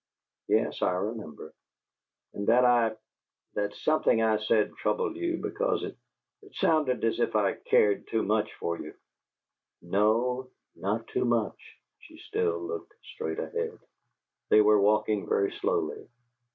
"Yes; I remember." "And that I that something I said troubled you because it it sounded as if I cared too much for you " "No; not too much." She still looked straight ahead. They were walking very slowly.